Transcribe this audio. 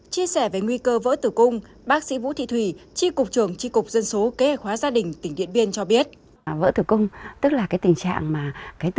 chia sẻ về nguy cơ vỡ tử cung bác sĩ vũ thị thùy tri cục trưởng tri cục dân số kế khóa gia đình tỉnh điện biên cho biết